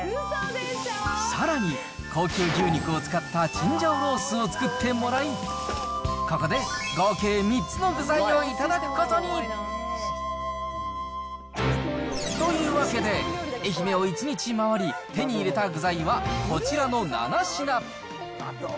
さらに、高級牛肉を使ったチンジャオロースを作ってもらい、ここで合計３つの具材を頂くことに。というわけで、愛媛を一日回り、手に入れた具材はこちらの７品。